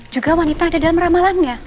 juga wanita yang ada dalam ramalannya